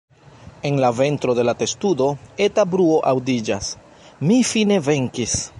En la ventro de la testudo, eta bruo aŭdiĝas: "Mi fine venkis!"